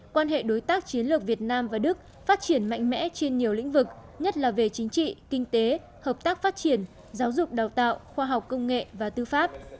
quan hệ đối tác chiến lược việt nam và đức phát triển mạnh mẽ trên nhiều lĩnh vực nhất là về chính trị kinh tế hợp tác phát triển giáo dục đào tạo khoa học công nghệ và tư pháp